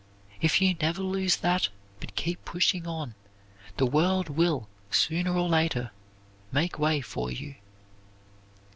If you never lose that, but keep pushing on, the world will, sooner or later, make way for you.